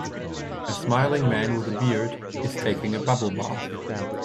A smiling man with a beard is taking a bubble bath.